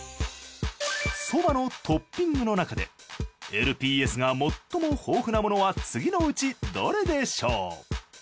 ソバのトッピングの中でＬＰＳが最も豊富なものは次のうちどれでしょう？